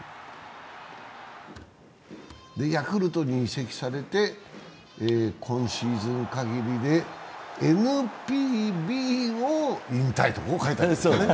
ヤクルトに移籍されて今シーズン限りでＮＰＢを引退と書いてありますね。